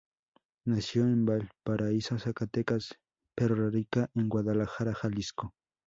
Nació en Valparaíso, Zacatecas, pero radica en Guadalajara, Jalisco.